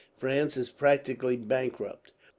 France is practically bankrupt.